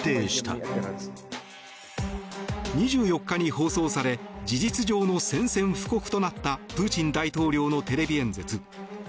２４日に放送され事実上の宣戦布告となったプーチン大統領のテレビ演説。